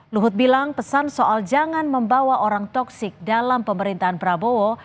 luhut bilang pesan soal jangan membawa orang toksik dalam pemerintahan prabowo